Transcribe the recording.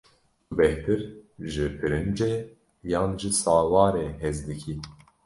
Tu bêhtir ji pirincê yan ji sawarê hez dikî?